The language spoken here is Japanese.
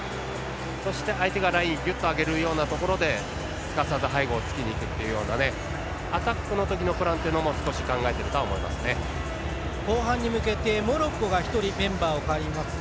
そして、相手がラインを上げるようなところですかさず背後を突きにいくというようなアタックの時のプランっていうのも後半に向けてモロッコがメンバーを代えます。